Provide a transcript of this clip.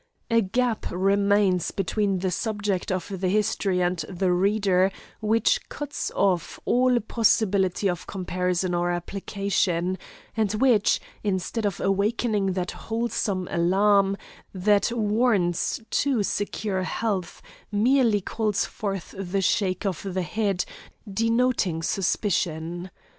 A gap remains between the subject of the history and the reader which cuts off all possibility of comparison or application, and which, instead of awakening that wholesome alarm, that warns too secure health, merely calls forth the shake of the head denoting suspicion.